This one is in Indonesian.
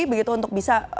begitu untuk bisa